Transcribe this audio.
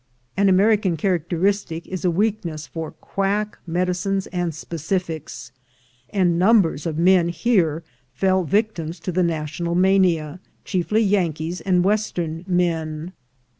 An American characteristic is a weakness for quack medicines and specifics, and numbers of men here fell victims to the national mania, chiefly Yankees and Western men.